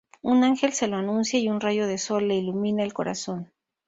Un ángel se lo anuncia y un rayo de sol le ilumina el corazón.